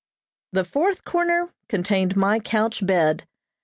The fourth corner contained my couch bed.